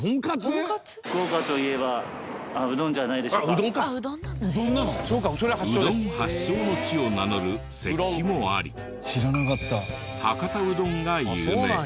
福岡といえばうどん発祥の地を名乗る石碑もあり博多うどんが有名。